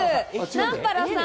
南原さん。